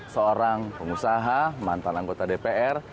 seorang pengusaha mantan anggota dpr